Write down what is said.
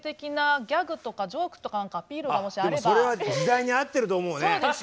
でもそれは時代に合ってると思うね。